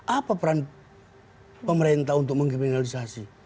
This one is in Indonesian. apa peran pemerintah untuk mengkriminalisasi